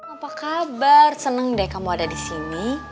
apa kabar senang deh kamu ada di sini